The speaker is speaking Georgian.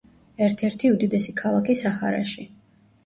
ერთ-ერთი უდიდესი ქალაქი საჰარაში.